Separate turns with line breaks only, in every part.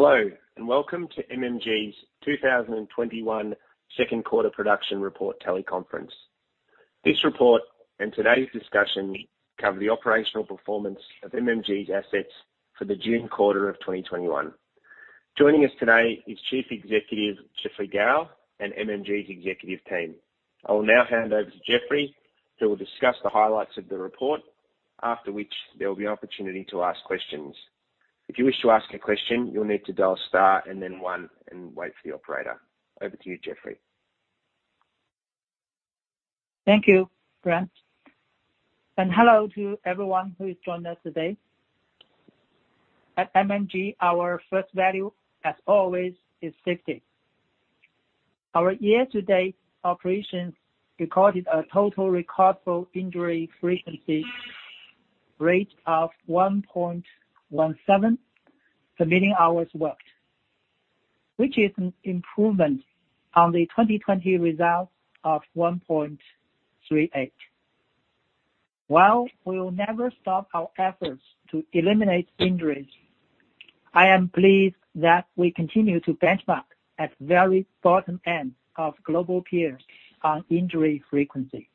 Hello, and welcome to MMG's 2021 second quarter production report teleconference. This report and today's discussion cover the operational performance of MMG's assets for the June quarter of 2021. Joining us today is Chief Executive, Geoffrey Gao, and MMG's executive team. I will now hand over to Geoffrey, who will discuss the highlights of the report, after which there will be an opportunity to ask questions. If you wish to ask a question, you'll need to dial star and then one and wait for the operator. Over to you, Geoffrey.
Thank you, Grant. Hello to everyone who has joined us today. At MMG, our first value, as always, is safety. Our year-to-date operations recorded a total recordable injury frequency rate of 1.17 per million hours worked, which is an improvement on the 2020 result of 1.38. While we will never stop our efforts to eliminate injuries, I am pleased that we continue to benchmark at the very bottom end of global peers on injury frequency.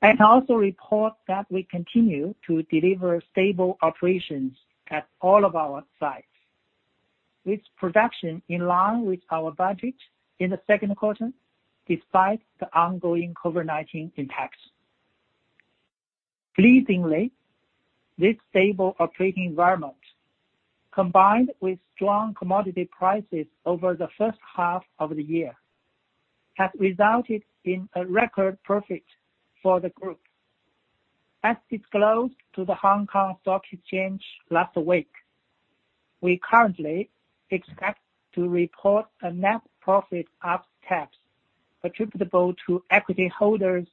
I can also report that we continue to deliver stable operations at all of our sites, with production in line with our budget in the second quarter, despite the ongoing COVID-19 impacts. Pleasingly, this stable operating environment, combined with strong commodity prices over the first half of the year, has resulted in a record profit for the group. As disclosed to the Hong Kong Stock Exchange last week, we currently expect to report a net profit after tax attributable to equity holders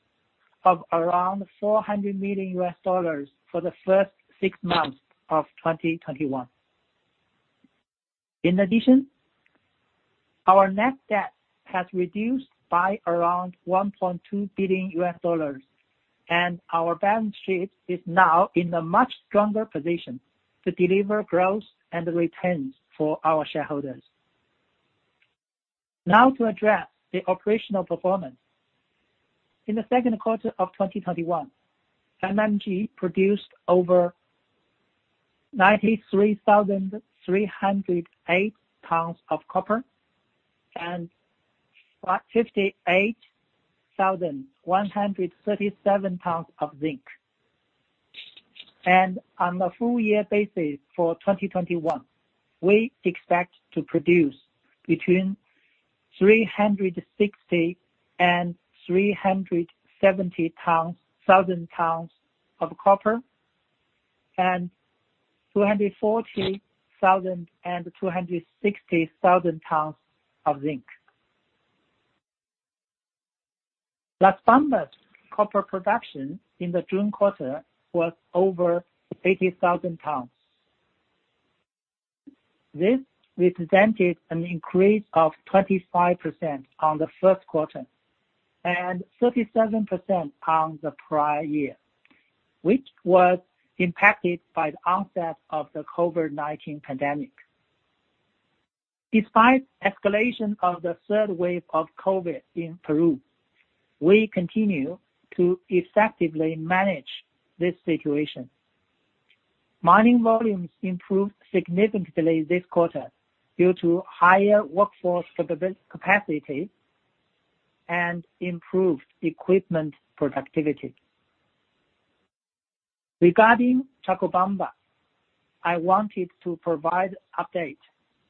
of around $400 million for the first six months of 2021. In addition, our net debt has reduced by around $1.2 billion, our balance sheet is now in a much stronger position to deliver growth and returns for our shareholders. Now to address the operational performance. In the second quarter of 2021, MMG produced over 93,308Ibs of copper and 58,137Ibs of zinc. On a full year basis for 2021, we expect to produce between 360,000Ibs and 370,000Ibs of copper and 240,000Ibs and 260,000Ibs of zinc. Las Bambas copper production in the June quarter was over 80,000Ibs. This represented an increase of 25% on the 1st quarter and 37% on the prior year, which was impacted by the onset of the COVID-19 pandemic. Despite escalation of the third wave of COVID-19 in Peru, we continue to effectively manage this situation. Mining volumes improved significantly this quarter due to higher workforce capacity and improved equipment productivity. Regarding Chalcobamba, I wanted to provide update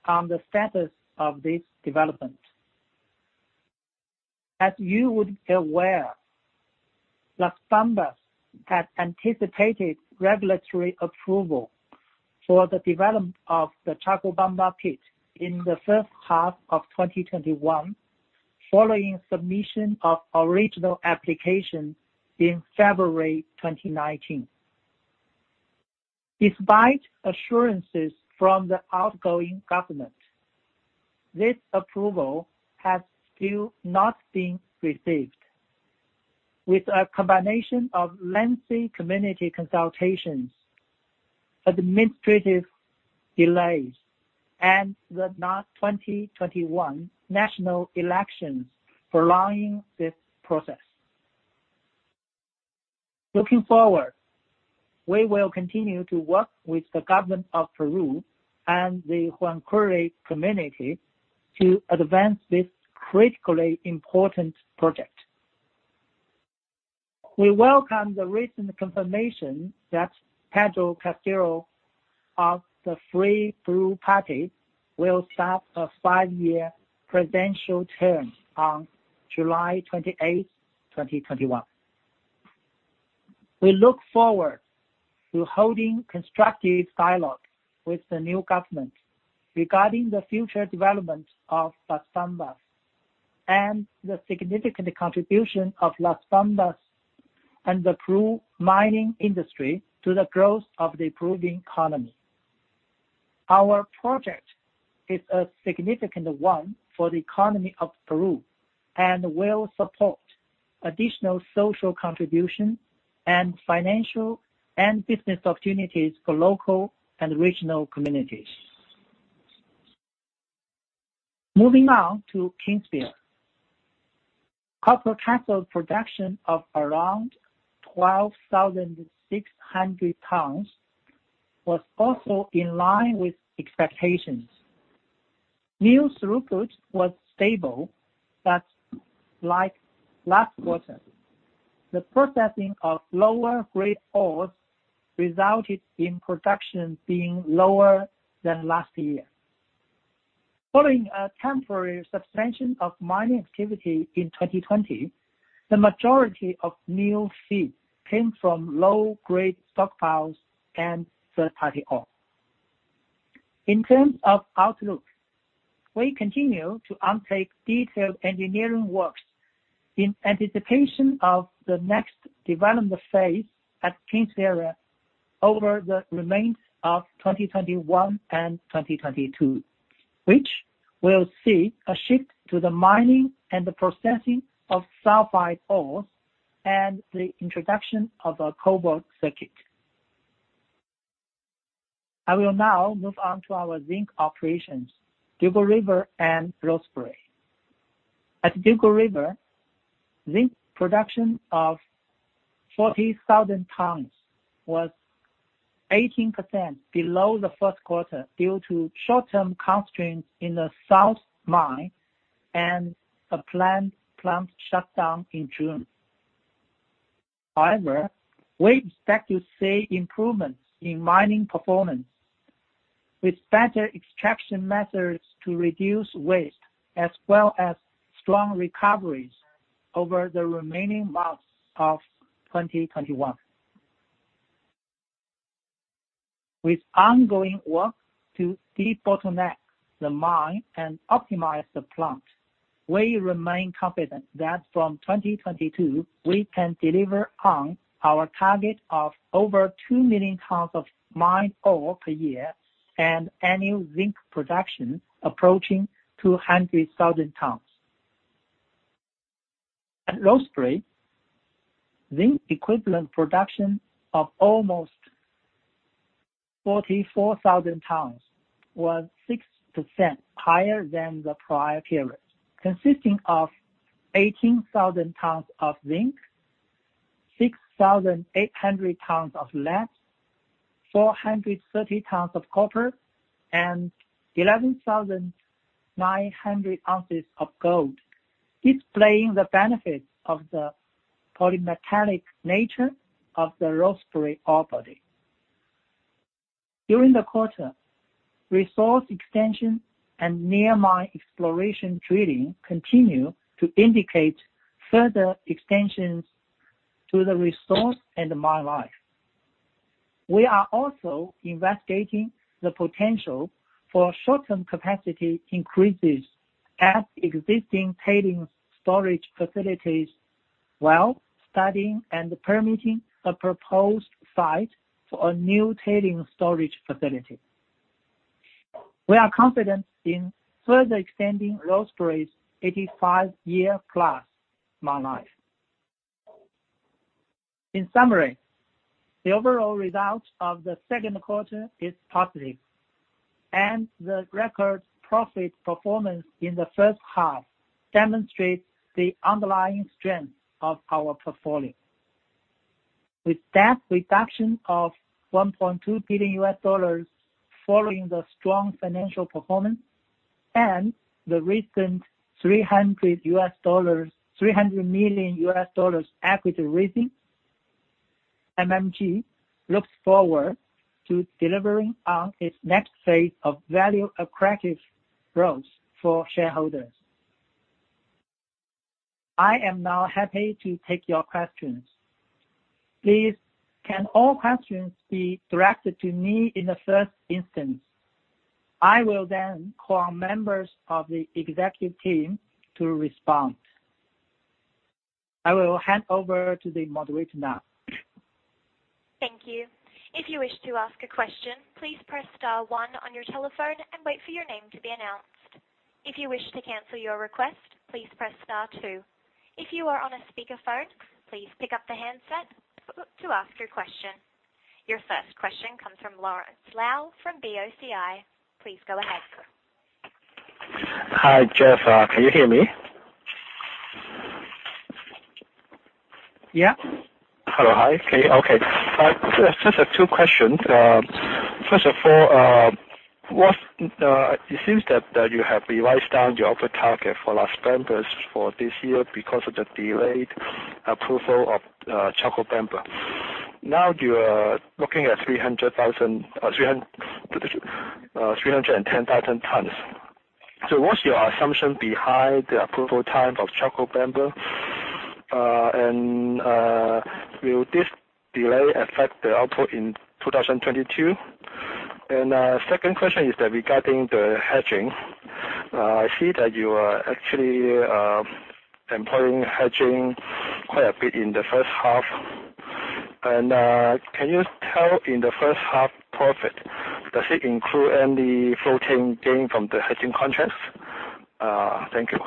on the status of this development. As you would be aware, Las Bambas had anticipated regulatory approval for the development of the Chalcobamba pit in the first half of 2021, following submission of original application in February 2019. Despite assurances from the outgoing government, this approval has still not been received, with a combination of lengthy community consultations, administrative delays, and the 2021 national elections prolonging this process. Looking forward, we will continue to work with the government of Peru and the Huancuire community to advance this critically important project. We welcome the recent confirmation that Pedro Castillo of the Free Peru Party will start a five-year presidential term on July 28th, 2021. We look forward to holding constructive dialogue with the new government regarding the future development of Las Bambas and the significant contribution of Las Bambas and the Peru mining industry to the growth of the Peruvian economy. Our project is a significant one for the economy of Peru, and will support additional social contribution and financial and business opportunities for local and regional communities. Moving on to Kinsevere. copper cathode production of around 12,600 tons was also in line with expectations. New throughput was stable, but like last quarter, the processing of lower-grade ores resulted in production being lower than last year. Following a temporary suspension of mining activity in 2020, the majority of new feed came from low-grade stockpiles and third-party ore. In terms of outlook, we continue to undertake detailed engineering works in anticipation of the next development phase at Kinsevere over the remains of 2021 and 2022, which will see a shift to the mining and the processing of sulfide ores and the introduction of a cobalt circuit. I will now move on to our zinc operations, Dugald River and Rosebery. At Dugald River, zinc production of 40,000 tons was 18% below the first quarter due to short-term constraints in the South mine and a planned plant shutdown in June. However, we expect to see improvements in mining performance, with better extraction methods to reduce waste, as well as strong recoveries over the remaining months of 2021. With ongoing work to debottleneck the mine and optimize the plant, we remain confident that from 2022, we can deliver on our target of over 2 million tons of mined ore per year and annual zinc production approaching 200,000 tons. At Rosebery, zinc equivalent production of almost 44,000 tons was 6% higher than the prior period, consisting of 18,000 tons of zinc, 6,800 tons of lead, 430 tons of copper, and 11,900 ounces of gold, displaying the benefits of the polymetallic nature of the Rosebery ore body. During the quarter, resource extension and near mine exploration drilling continue to indicate further extensions to the resource and mine life. We are also investigating the potential for short-term capacity increases at existing tailings storage facilities, while studying and permitting a proposed site for a new tailings storage facility. We are confident in further extending Rosebery's 85-year plus mine life. In summary, the overall result of the second quarter is positive, and the record profit performance in the first half demonstrates the underlying strength of our portfolio. With debt reduction of $1.2 billion following the strong financial performance and the recent $300 million equity raising, MMG looks forward to delivering on its next phase of value accretive growth for shareholders. I am now happy to take your questions. Please, can all questions be directed to me in the first instance? I will call on members of the executive team to respond. I will hand over to the moderator now.
Thank you. If you wish to ask a question, please press star one on your telephone and wait for your name to be announced. If you wish to cancel your request, please press star two. If you are on a speakerphone, please pick up the handset to ask your question. Your first question comes from Lawrence Lau from BOCI. Please go ahead.
Hi, Jeff. Can you hear me?
Yeah.
Hello. Hi. Okay. Just two questions. First of all, it seems that you have revised down your output target for Las Bambas for this year because of the delayed approval of Chalcobamba. Now you are looking at 310,000 tons. What's your assumption behind the approval time of Chalcobamba, and will this delay affect the output in 2022? Second question is regarding the hedging. I see that you are actually employing hedging quite a bit in the first half. Can you tell in the first half profit, does it include any floating gain from the hedging contracts? Thank you.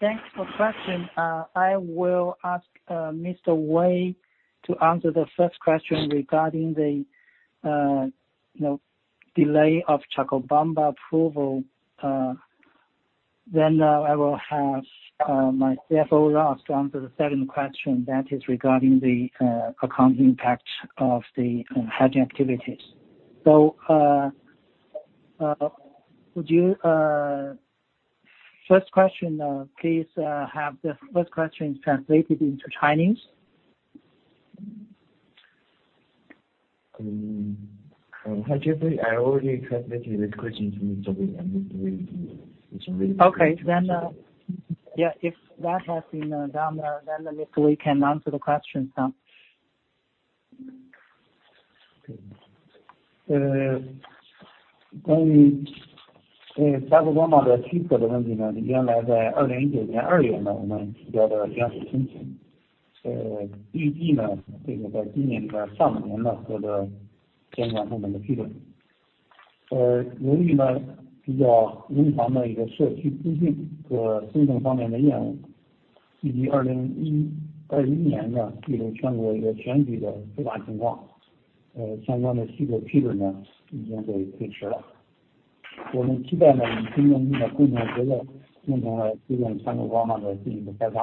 Thanks for the question. I will ask Jianxian Wei to answer the first question regarding the delay of Chalcobamba approval. I will have my CFO, Ross, to answer the second question that is regarding the account impact of the hedging activities. First question, please have the first question translated into Chinese.
I already translated this question to Jianxian Wei.
Okay. If that has been done, then Jianxian Wei can answer the question.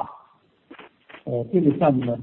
At Las Bambas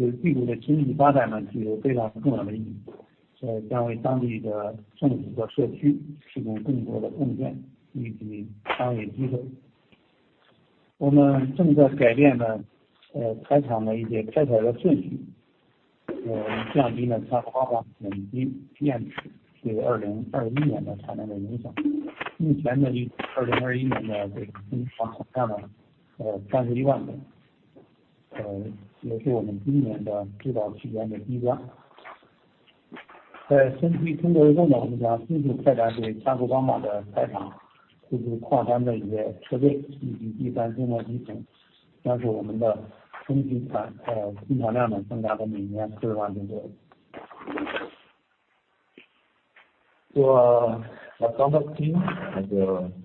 team,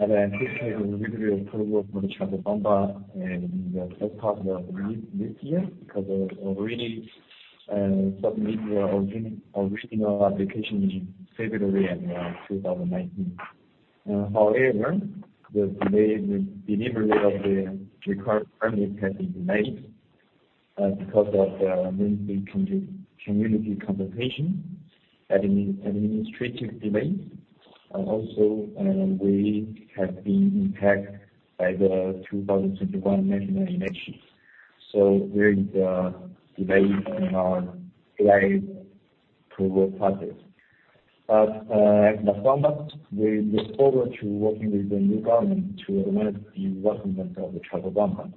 I anticipate the review of approval for the Chalcobamba in the first half of this year, because we already submitted our original application in February of 2019. However, the delivery of the required permits has been delayed because of the main community compensation, administrative delay. Also, we have been impacted by the 2021 national elections. There is a delay in our approval process. At Las Bambas, we look forward to working with the new government to advance the development of Chalcobamba,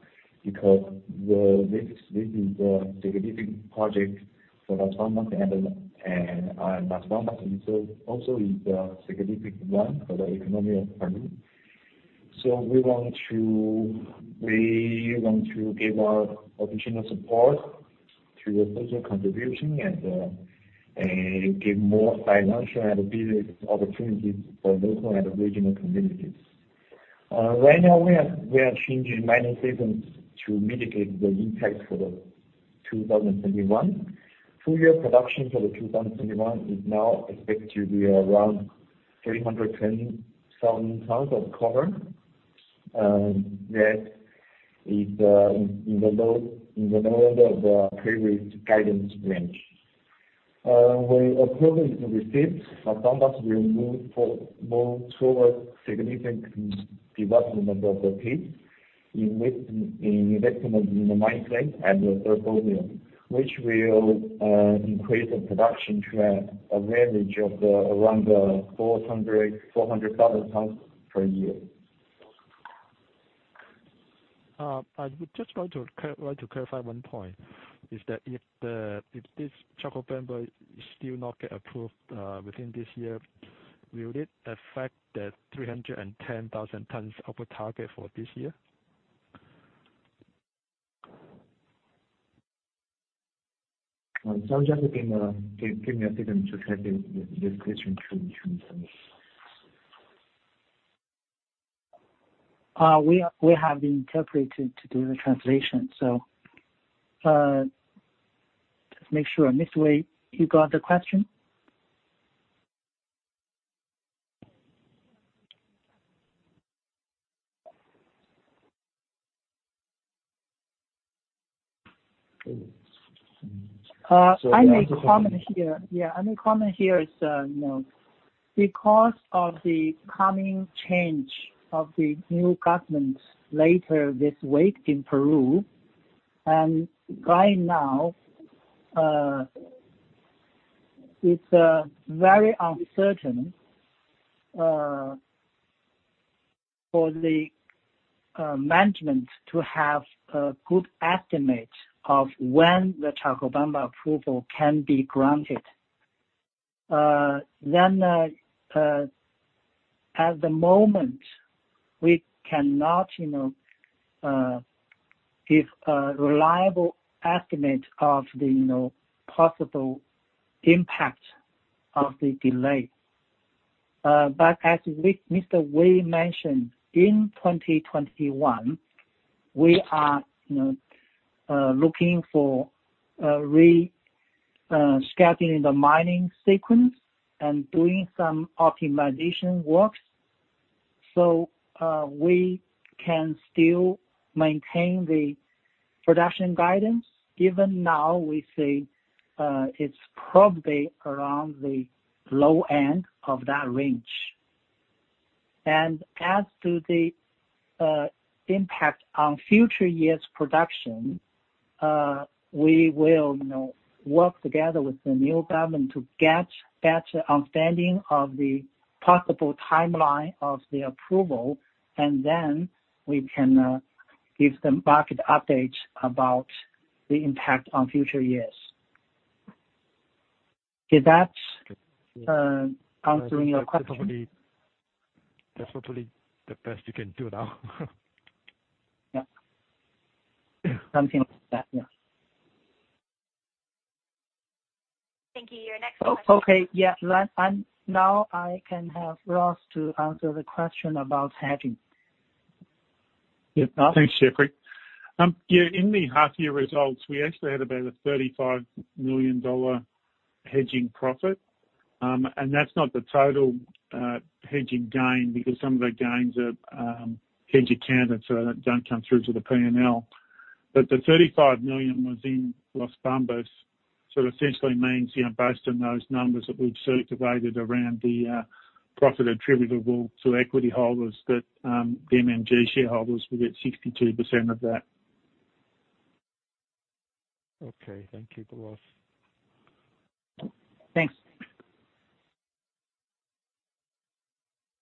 because this is a significant project for Las Bambas, and also is a significant one for the economy of Peru. We want to give our additional support through social contribution and give more financial and business opportunities for local and regional communities. Right now, we are changing mining sequence to mitigate the impact for 2021. Full year production for 2021 is now expected to be around 310 some thousand of copper. That is in the lower of the previous guidance range. When approval is received, Las Bambas will move forward significant development of the pit, investment in the mine fleet and the mill, which will increase the production to an average of around 400,000 tons per year.
I would just want to clarify one point, is that if this Chalcobamba still not get approved within this year, will it affect the 310,000 tons output target for this year?
Just give me a second to check this question.
We have the interpreter to do the translation. Just make sure, Jianxian Wei, you got the question? I make a comment here. Yeah, I make a comment here. Because of the coming change of the new government later this week in Peru, and right now, it's very uncertain. For the management to have a good estimate of when the Chalcobamba approval can be granted. At the moment, we cannot give a reliable estimate of the possible impact of the delay. As Jianxian Wei mentioned, in 2021, we are looking for rescheduling the mining sequence and doing some optimization works so we can still maintain the production guidance. Even now, we say it's probably around the low end of that range. As to the impact on future years' production, we will work together with the new government to get better understanding of the possible timeline of the approval, and then we can give the market updates about the impact on future years. Is that answering your question?
That's probably the best you can do now.
Yeah. Something like that, yeah.
Thank you. Your next question-
Okay. Yeah. Now I can have Ross to answer the question about hedging.
Thanks, Geoffrey. In the half year results, we actually had about a $35 million hedging profit. That's not the total hedging gain because some of the gains are hedge accounts that don't come through to the P&L. The $35 million was in Las Bambas, so it essentially means, based on those numbers that we've circulated around the profit attributable to equity holders, that MMG shareholders will get 62% of that.
Okay. Thank you, Ross.
Thanks.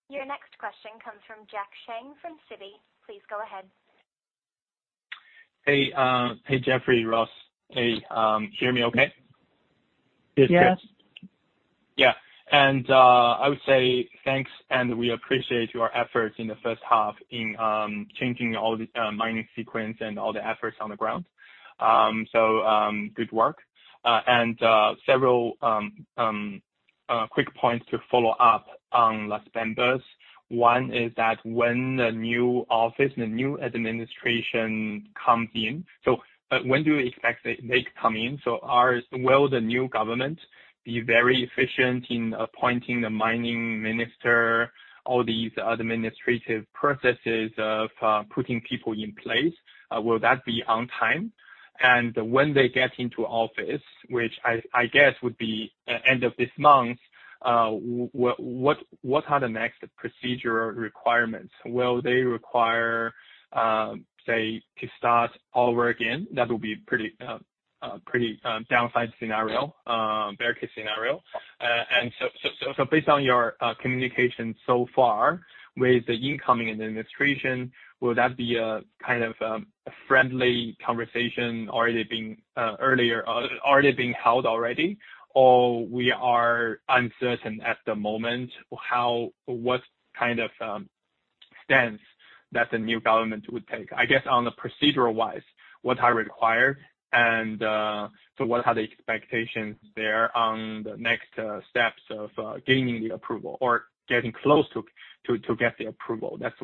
Your next question comes from Jack Shang from Citi. Please go ahead.
Hey, Geoffrey, Ross. Hey, hear me okay?
Yes.
Yes.
Yeah. I would say thanks, and we appreciate your efforts in the first half in changing all the mining sequence and all the efforts on the ground. Good work. Several quick points to follow up on Las Bambas. One is that when the new office, the new administration comes in, when do you expect they come in? Will the new government be very efficient in appointing the mining minister, all these administrative processes of putting people in place? Will that be on time? When they get into office, which I guess would be end of this month, what are the next procedure requirements? Will they require, say, to start over again? That will be pretty downside scenario, bear case scenario. Based on your communication so far with the incoming administration, will that be a friendly conversation? Are they being held already? We are uncertain at the moment what kind of stance that the new government would take, I guess, on the procedural wise, what are required and so what are the expectations there on the next steps of gaining the approval or getting close to get the approval? That's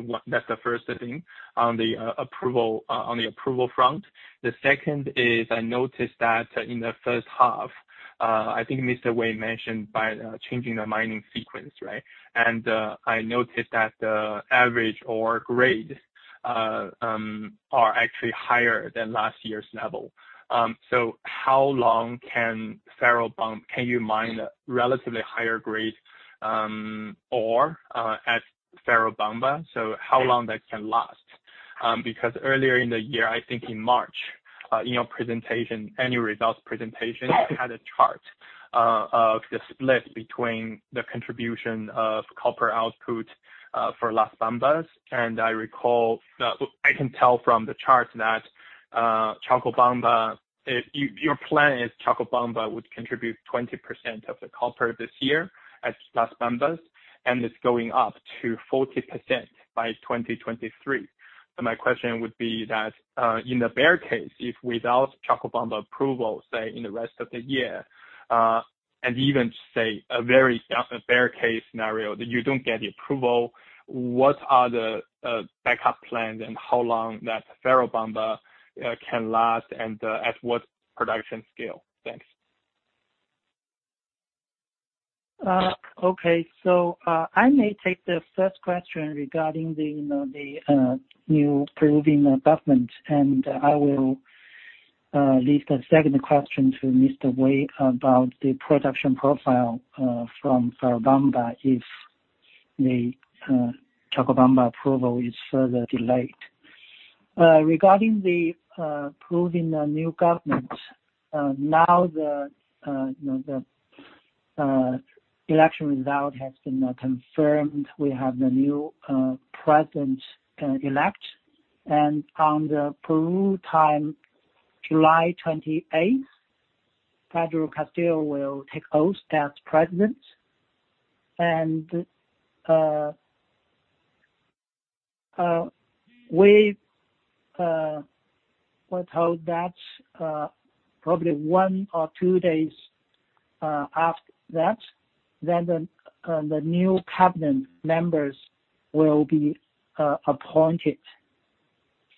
the first thing on the approval front. The second is, I noticed that in the first half, I think Jianxian Wei mentioned by changing the mining sequence, right? I noticed that the average ore grade are actually higher than last year's level. How long can you mine relatively higher grade ore at Chalcobamba? How long that can last? Because earlier in the year, I think in March, in your presentation, annual results presentation, you had a chart of the split between the contribution of copper output for Las Bambas. I can tell from the chart that your plan is Chalcobamba would contribute 20% of the copper this year at Las Bambas, and it's going up to 40% by 2023. My question would be that, in the bear case, if without Chalcobamba approval, say, in the rest of the year, and even, say, a very bear case scenario that you don't get the approval, what are the backup plans and how long that Chalcobamba can last and at what production scale? Thanks.
I may take the first question regarding the new Peruvian government, and I will leave the second question to Mr. Wei about the production profile from Chalcobamba if the Chalcobamba approval is further delayed. Regarding the new government. The election result has been confirmed. We have the new President-elect, and on Peru time, July 28th, Pedro Castillo will take oath as President. We were told that probably one or two days after that, the new cabinet members will be appointed.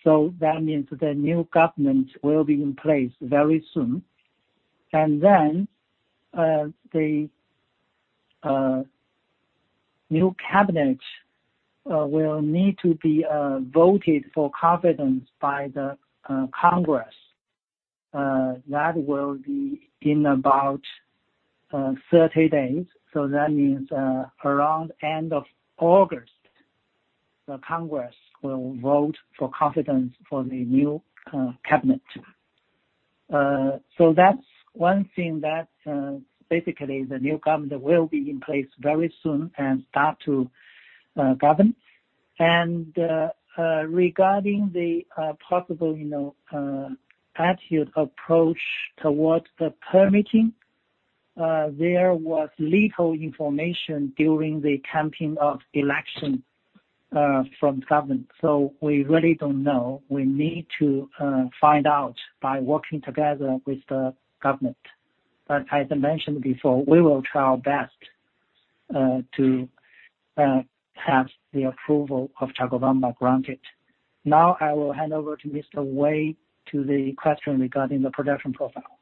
That means the new government will be in place very soon. The new cabinet will need to be voted for confidence by the Congress. That will be in about 30 days. That means, around end of August, the Congress will vote for confidence for the new cabinet. That's one thing that basically the new government will be in place very soon and start to govern. Regarding the possible attitude approach towards the permitting, there was little information during the campaign of election from government. We really don't know. We need to find out by working together with the government. As I mentioned before, we will try our best to have the approval of Chalcobamba granted. Now I will hand over to Mr. Wei to the question regarding the production profile.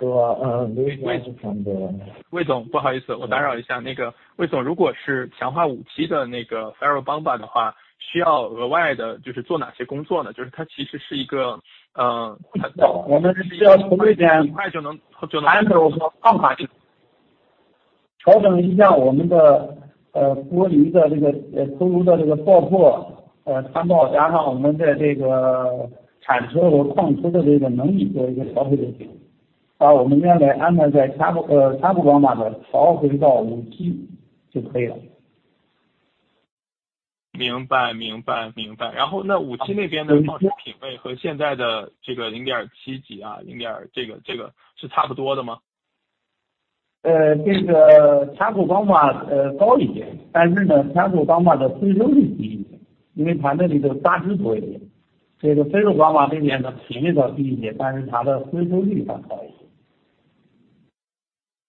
There's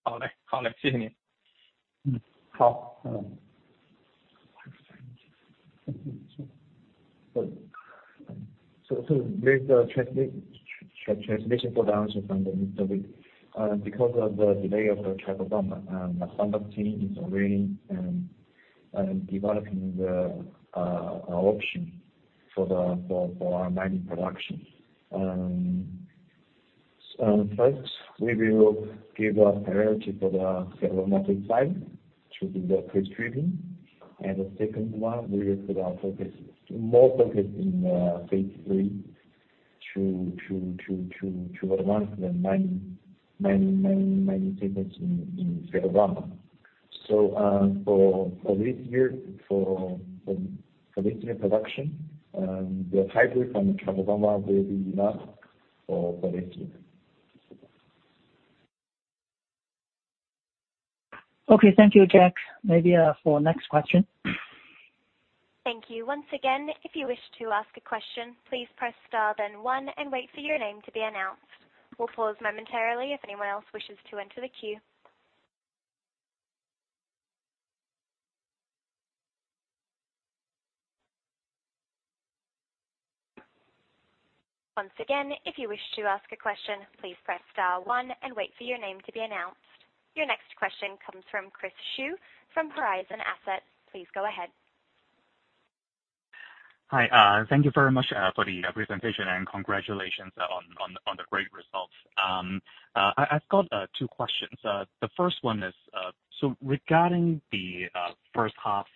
the translation for the answer from Mr. Wei.
Because of the delay of the Chalcobamba, the Sandvik team is already developing the option for our mining production. First, we will give a priority for the [distortion]site through the pre-stripping. The second one, we will put more focus in phase III to advance the mining segments in Chalcobamba. For this year production, the high grade from Chalcobamba will be enough for this year.
Okay. Thank you, Jack. Maybe for next question.
Thank you. Once again, if you wish to ask a question, please press star then one and wait for your name to be announced. We'll pause momentarily if anyone else wishes to enter the queue. Once again, if you wish to ask a question, please press star one and wait for your name to be announced. Your next question comes from Chris Xu from Horizon Asset. Please go ahead.
Hi, thank you very much for the presentation and congratulations on the great results. I've got two questions. The first one is, regarding the first half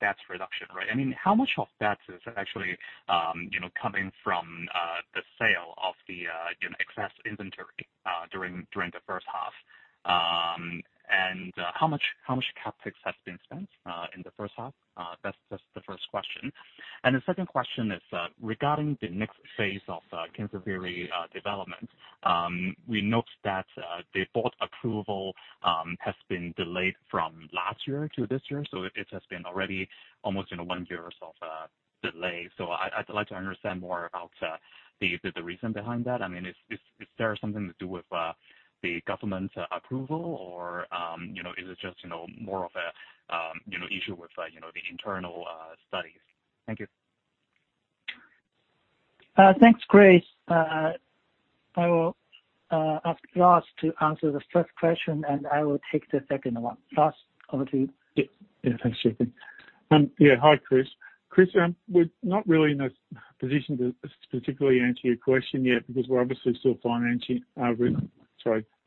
debt reduction, right? I mean how much of debt is coming from the sale of the excess inventory during the first half. How much CapEx has been spent in the first half? That's the first question. The second question is regarding the next phase of Kinsevere development. We note that the board approval has been delayed from last year to this year, so it has been already almost one year of delay. I'd like to understand more about the reason behind that. Is there something to do with the government's approval, or is it just more of an issue with the internal studies? Thank you.
Thanks, Chris. I will ask Ross to answer the first question, and I will take the second one. Ross, over to you.
Thanks, Geoffrey. Hi, Chris. Chris, we're not really in a position to specifically answer your question yet, because we're obviously still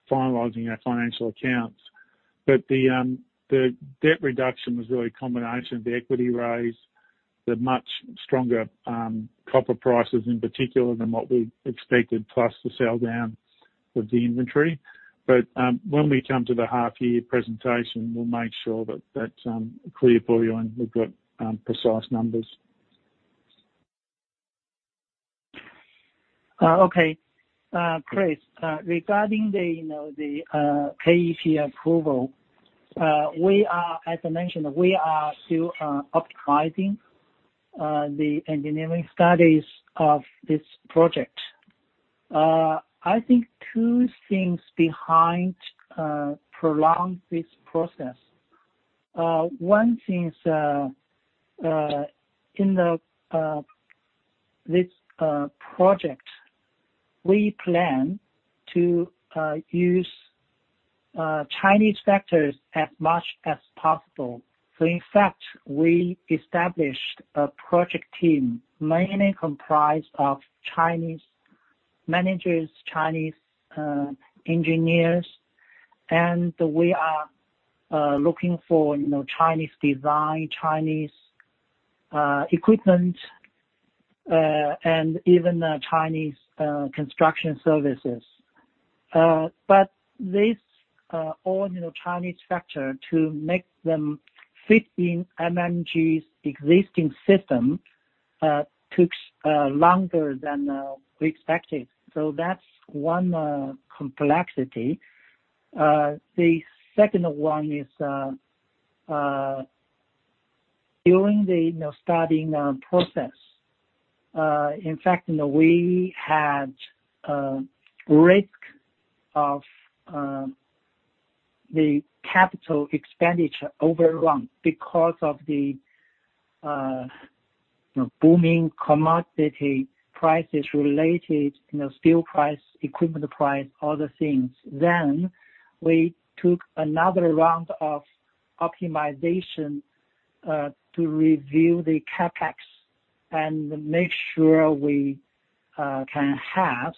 finalizing our financial accounts. The debt reduction was really a combination of the equity raise, the much stronger copper prices in particular than what we expected, plus the sell-down of the inventory. When we come to the half year presentation, we'll make sure that that's clear for you, and we've got precise numbers.
Okay. Chris, regarding the KEP approval, as I mentioned, we are still optimizing the engineering studies of this project. I think two things behind prolong this process. One thing is, in this project, we plan to use Chinese factors as much as possible. In fact, we established a project team mainly comprised of Chinese managers, Chinese engineers, and we are looking for Chinese design, Chinese equipment, and even Chinese construction services. This all Chinese factor to make them fit in MMG's existing system took longer than we expected. That's one complexity. The second one is, during the studying process, in fact, we had risk of the capital expenditure overrun because of the booming commodity prices related, steel price, equipment price, other things. We took another round of optimization to review the CapEx and make sure we can have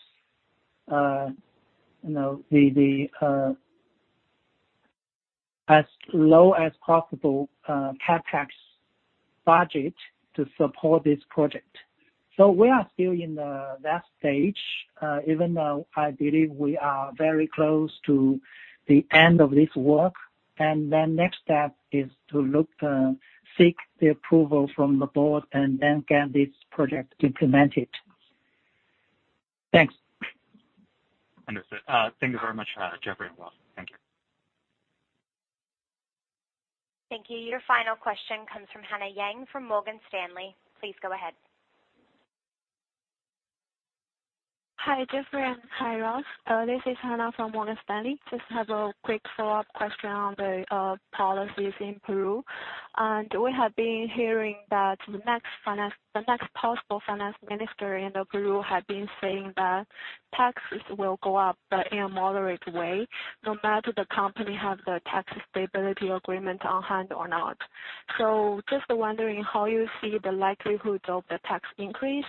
as low as possible CapEx budget to support this project. We are still in that stage, even though I believe we are very close to the end of this work. Next step is to look to seek the approval from the board and then get this project implemented.
Thanks. Understood. Thank you very much, Geoffrey and Ross. Thank you.
Thank you. Your final question comes from Hannah Yang from Morgan Stanley. Please go ahead.
Hi, Geoffrey and hi, Ross. This is Hannah from Morgan Stanley. Just have a quick follow-up question on the policies in Peru. We have been hearing that the next possible finance minister in Peru had been saying that taxes will go up, but in a moderate way, no matter the company have the tax stability agreement on hand or not. Just wondering how you see the likelihood of the tax increase,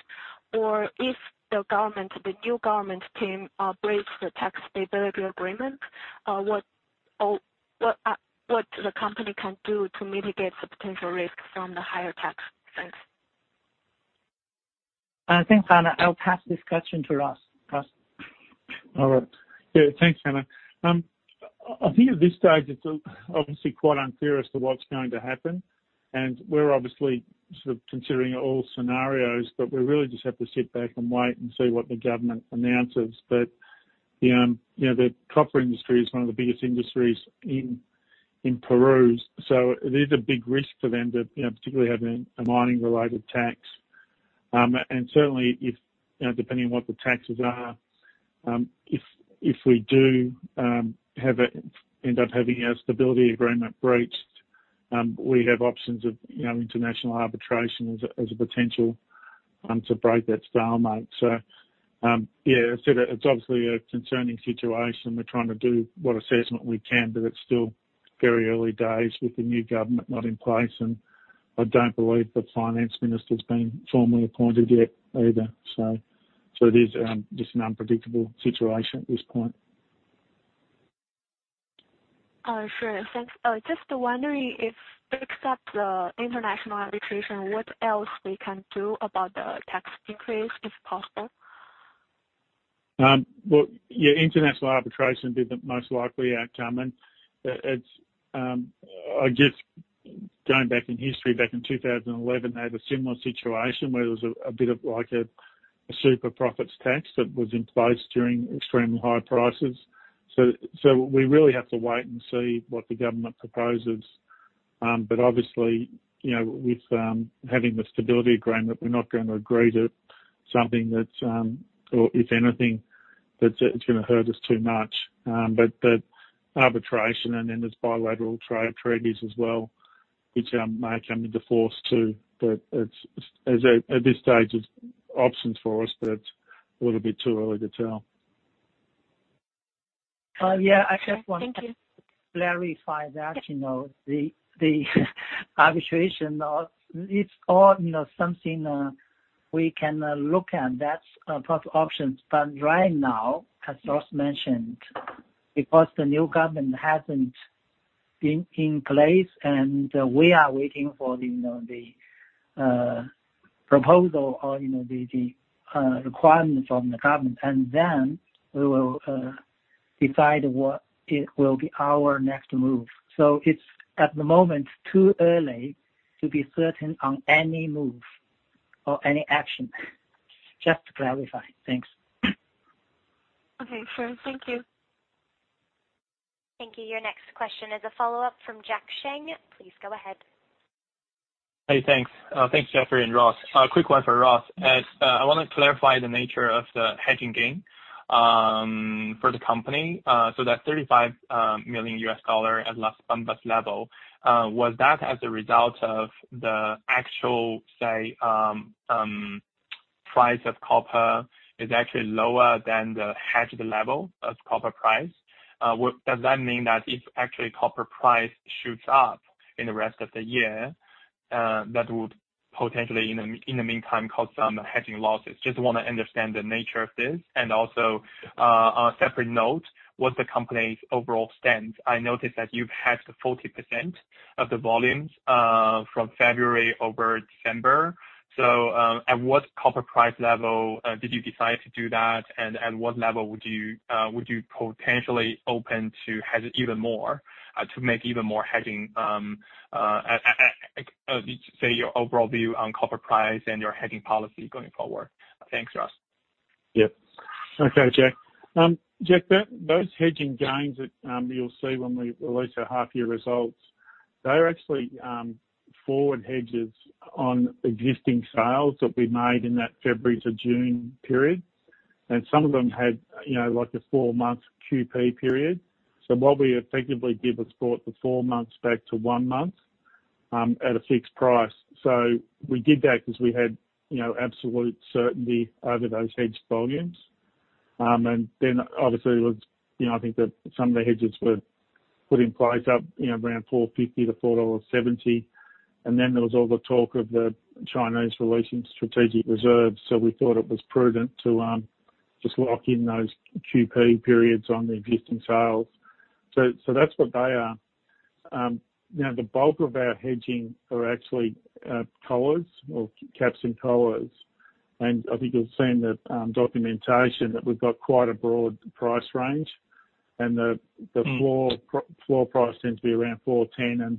or if the new government team breaks the tax stability agreement, what the company can do to mitigate the potential risk from the higher tax. Thanks.
Thanks, Hannah. I'll pass this question to Ross. Ross?
All right. Yeah, thanks, Hannah. I think at this stage it's obviously quite unclear as to what's going to happen. We're obviously sort of considering all scenarios, but we really just have to sit back and wait and see what the government announces. The copper industry is one of the biggest industries in Peru, so it is a big risk for them to particularly have a mining-related tax. Certainly if, depending on what the taxes are, if we do end up having our stability agreement breached, we have options of international arbitration as a potential to break that stalemate. Yeah, it's obviously a concerning situation. We're trying to do what assessment we can, but it's still very early days with the new government not in place, and I don't believe the finance minister's been formally appointed yet either. It is just an unpredictable situation at this point.
Oh, sure. Thanks. Just wondering if, except the international arbitration, what else we can do about the tax increase, if possible?
Well, yeah, international arbitration is the most likely outcome. I guess, going back in history, back in 2011, they had a similar situation where there was a bit of a Resource Super Profits Tax that was in place during extremely high prices. We really have to wait and see what the government proposes. Obviously, with having the stability agreement, we're not going to agree to something that's, or if anything, that's going to hurt us too much. Arbitration, and then there's bilateral trade treaties as well, which may come into force, too. At this stage, it's options for us, but a little bit too early to tell.
Oh, yeah.
Thank you.
clarify that the arbitration, or it's something we can look at, that's a possible option. Right now, as Ross mentioned, because the new government hasn't been in place and we are waiting for the proposal or the requirements from the government. Then we will decide what will be our next move. It's, at the moment, too early to be certain on any move or any action. Just to clarify. Thanks. Okay. Sure. Thank you.
Thank you. Your next question is a follow-up from Jack Shang. Please go ahead.
Hey, thanks. Thanks, Geoffrey and Ross. A quick one for Ross. I want to clarify the nature of the hedging gain for the company. That $35 million at Las Bambas level, was that as a result of the actual, say, price of copper is actually lower than the hedge level of copper price? Does that mean that if actually copper price shoots up in the rest of the year, that would potentially, in the meantime, cause some hedging losses? Just want to understand the nature of this. On a separate note, what's the company's overall stance? I noticed that you've hedged 40% of the volumes from February over December. At what copper price level did you decide to do that, and at what level would you potentially open to hedge even more, to make even more hedging? Your overall view on copper price and your hedging policy going forward. Thanks, Ross.
Yeah. Okay, Jack. Jack, those hedging gains that you'll see when we release our half-year results, they're actually forward hedges on existing sales that we made in that February to June period. Some of them had a four-month QP period. What we effectively did was brought the four months back to one month at a fixed price. We did that because we had absolute certainty over those hedged volumes. Then obviously, I think that some of the hedges were put in place up around $4.50-$4.70. Then there was all the talk of the Chinese releasing strategic reserves. We thought it was prudent to just lock in those QP periods on the existing sales. That's what they are. Now, the bulk of our hedging are actually collars or caps and collars. I think you'll see in the documentation that we've got quite a broad price range. The floor price seems to be around $4.10.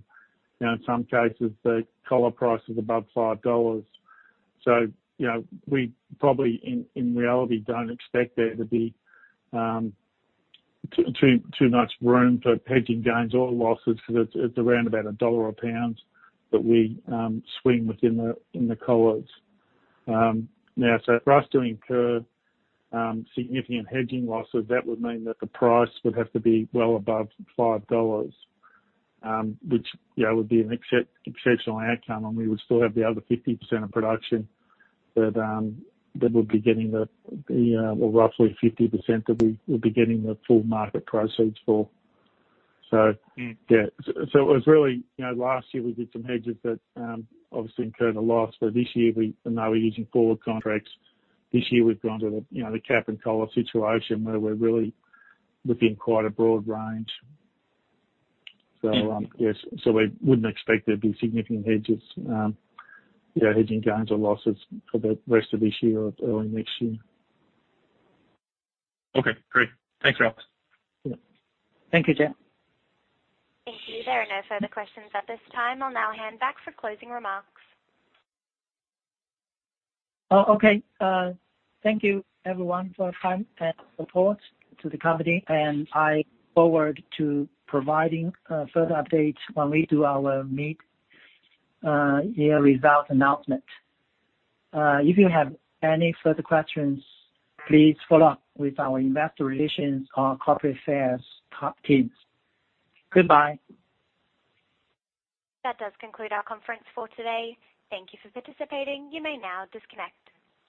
In some cases, the collar price is above $5. We probably, in reality, don't expect there to be too much room for hedging gains or losses because it's around about $1 a pound that we swing within the collars. For us to incur significant hedging losses, that would mean that the price would have to be well above $5, which would be an exceptional outcome and we would still have the other 50% of production that we'll be getting the, well, roughly 50% that we'll be getting the full market proceeds for. Yeah. It was really, last year we did some hedges that obviously incurred a loss. This year, even though we're using forward contracts, this year we've gone to the cap and collar situation where we're really within quite a broad range. Yes, we wouldn't expect there'd be significant hedges, hedging gains or losses for the rest of this year or early next year.
Okay, great. Thanks, Ross.
Yeah.
Thank you, Jack. Thank you. There are no further questions at this time. I'll now hand back for closing remarks. Oh, okay. Thank you everyone for time and support to the company, and I look forward to providing further updates when we do our mid-year result announcement. If you have any further questions, please follow up with our investor relations or corporate affairs top teams. Goodbye. That does conclude our conference for today. Thank you for participating. You may now disconnect